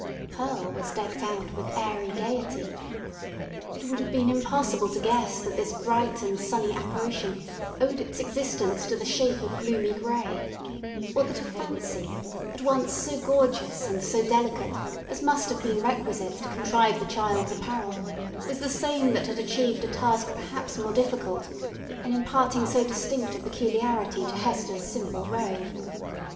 Pearl was decked out with airy gaiety. It would have been impossible to guess that this bright and sunny apparition owed its existence to the shape of gloomy gray; or that a fancy, at once so gorgeous and so delicate as must have been requisite to contrive the child's apparel, was the same that had achieved a task perhaps more difficult, in imparting so distinct a peculiarity to Hester's simple robe.